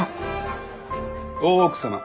大奥様